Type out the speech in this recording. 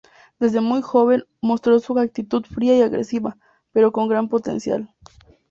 Desde muy joven mostró una actitud fría y agresiva, pero con gran potencial.